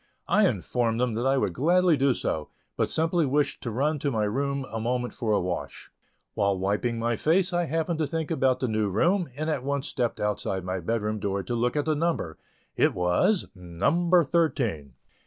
I informed them that I would gladly do so, but simply wished to run to my room a moment for a wash. While wiping my face I happened to think about the new room, and at once stepped outside of my bed room door to look at the number. It was "number thirteen."